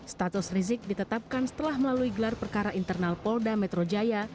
status rizik ditetapkan setelah melalui gelar perkara internal polda metro jaya